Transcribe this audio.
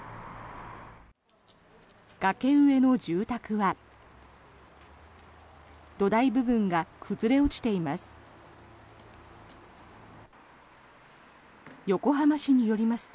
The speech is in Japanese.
崖上の住宅は土台部分が崩れ落ちています。